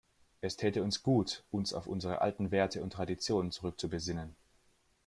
Es täte uns gut, uns auf unsere alten Werte und Traditionen zurückzubesinnen.